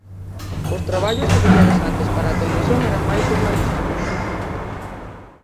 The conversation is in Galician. Os traballos que fixeras antes para televisión eran máis xornalísticos.